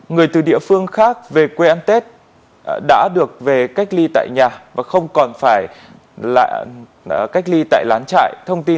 người từ địa phương khác về quê ăn tết đã được về cách ly tại nhà và không còn phải cách ly tại lán trại thông tin